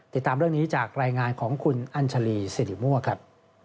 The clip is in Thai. ติดตามเรื่องนี้จากรายงานของคุณอัญชาลีสิริมั่วครับ